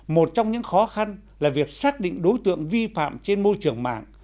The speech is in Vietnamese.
một trong những khó khăn là việc xác định đối tượng vi phạm trên môi trường mạng